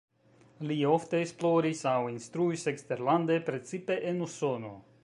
Li ofte esploris aŭ instruis eksterlande, precipe en Usono.